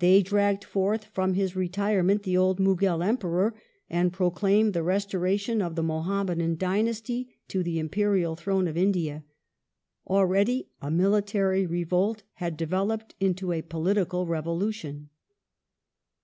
They dragged forth from his retirement the old Mughal Emperor, and proclaimed the restoration of the Muham madan dynasty to the imperial throne of India. Already a mili tary revolt had developed into a political revolution.